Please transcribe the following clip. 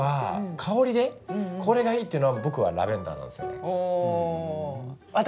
香りでこれがいいっていうのは僕はラベンダーなんですよね。